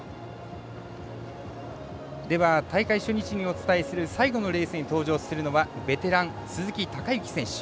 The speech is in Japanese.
では大会初日にお伝えする最後のレースに登場するのはベテラン鈴木孝幸選手。